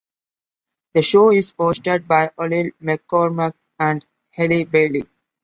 The show is hosted by Ollie McCormack and Elly Bailey.